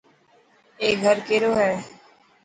اي گھر ڪيرو هي.